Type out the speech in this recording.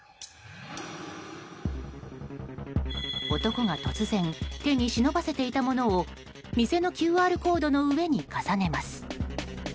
男が突然手に忍ばせていたものを店のＱＲコードの上に重ねます。